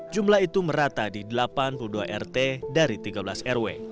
jumlah itu merata di delapan puluh dua rt dari tiga belas rw